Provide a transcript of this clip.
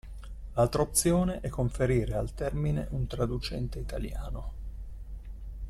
L'altra opzione è conferire al termine un traducente italiano.